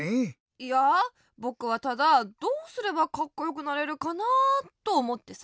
いやあぼくはただどうすればカッコよくなれるかなあとおもってさ。